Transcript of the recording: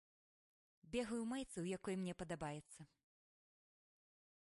Бегаю ў майцы, у якой мне падабаецца.